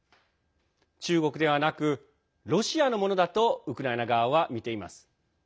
中国ではなく、ロシアのものだとウクライナ側はみています。